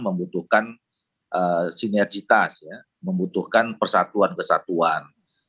membutuhkan sinergitas ya membutuhkan persatuan kesatuan